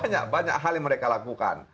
banyak banyak hal yang mereka lakukan